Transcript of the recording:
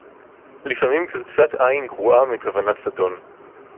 לפעמים קריצת עין גרועה מכוונת זדון